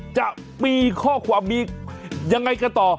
จะมีข้อความมียังไงกันต่อ